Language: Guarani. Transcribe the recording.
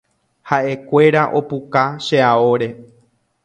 Ha’ekuéra opuka che aóre.